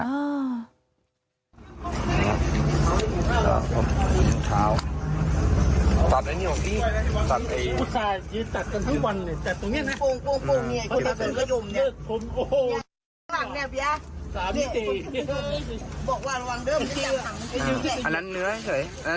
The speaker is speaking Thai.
วันข้าวตัดตัดไอ้ดูหรอคุณตัดเอง